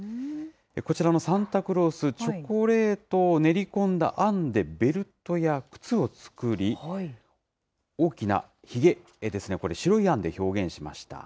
こちらのサンタクロース、チョコレートを練り込んだあんでベルトや靴を作り、大きなひげ、これ、白いあんで表現しました。